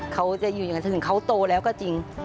เขาจะอยู่อย่างนั้นถึงเขาโตแล้วก็จริง